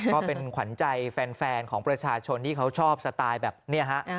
ก็เป็นขวัญใจแฟนของประชาชนที่เขาชอบสไตล์แบบนี้ฮะ